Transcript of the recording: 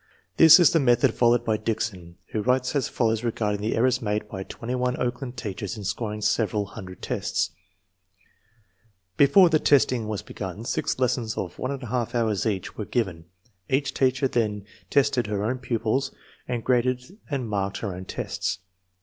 This is the method followed by Dickson, who writes as follows regarding the errors made by twenty one Oakland teachers in scoring several hundred tests: Before the testing was begun, six lessons of 1 J hours each were given. Each teacher then tested her own pupils, and graded and marked her own tests.